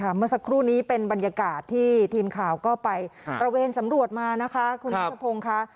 เมื่อสักครู่นี้เป็นบรรยากาศที่ทีมข่าวก็ไปตระเวนสำรวจมานะคะคุณนัทพงศ์ค่ะ